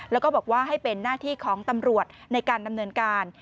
แล้วก็บอกว่าให้เป็นหน้าที่ของตำรวจในการดำเนินการ